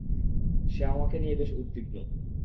সে আমাকে নিয়ে বেশ উদ্বিগ্ন।